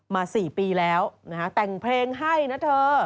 ๔ปีแล้วนะฮะแต่งเพลงให้นะเธอ